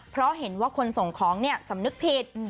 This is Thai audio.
เพราะเห็นว่าคนส่งของเนี่ยสำนึกผิด